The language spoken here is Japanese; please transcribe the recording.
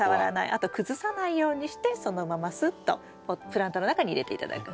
あと崩さないようにしてそのまますっとプランターの中に入れて頂く。